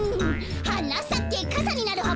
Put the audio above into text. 「はなさけかさになるはっぱ」